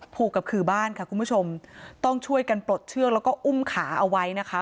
ผูกกับขื่อบ้านค่ะคุณผู้ชมต้องช่วยกันปลดเชือกแล้วก็อุ้มขาเอาไว้นะคะ